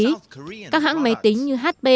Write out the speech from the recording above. trong khi đó các hãng máy tính như hp